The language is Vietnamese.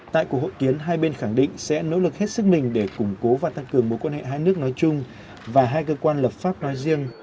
tại cuộc hội kiến hai bên khẳng định sẽ nỗ lực hết sức mình để củng cố và tăng cường mối quan hệ hai nước nói chung và hai cơ quan lập pháp nói riêng